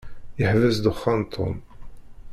Yeḥbes ddexxan Tom.